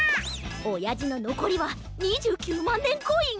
おやじののこりは２９まんねんコイン。